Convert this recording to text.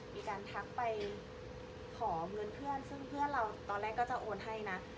มีการทักไปขอเงินเพื่อนซึ่งเพื่อนเราตอนแรกก็จะโอนให้นะ